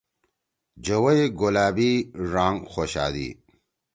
جَوئی گلابی ڙانگ خوشادی۔